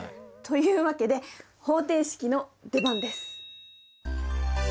というわけで方程式の出番です。